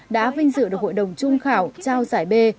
đã vinh dự được hội đồng trung khảo trao giải b